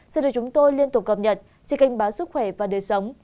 xin được chúng tôi liên tục cập nhật trên kênh báo sức khỏe và đời sống